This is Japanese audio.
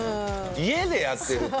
家でやってるって。